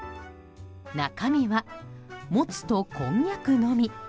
中身は、もつとこんにゃくのみ。